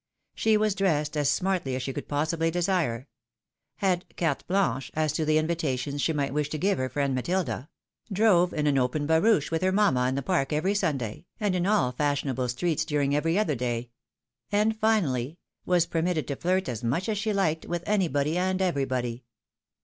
She was dressed as smartly as she could possibly desire ; had carte blanche as to the invitations she might wish to give her friend MatOda ; drove in an open barouche with her mamma in the Park every Sunday, and in all fashionable streets during every other day; and finally, was permitted to flirt as much as she liked, with any body, and everybody.